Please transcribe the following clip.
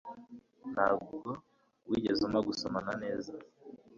ntabwo wigeze umpa gusomana neza